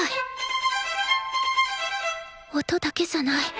音だけじゃない。